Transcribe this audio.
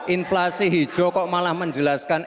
inflasi hijau kok malah menjelaskan